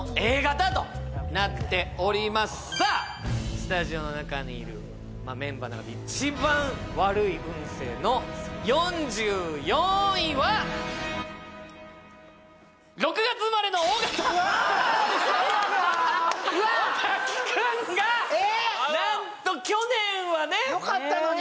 スタジオの中にいるメンバーの中で一番悪い運勢の４４位は尾崎君がなんと去年はねよかったのに！